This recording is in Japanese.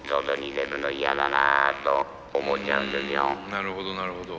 なるほどなるほど。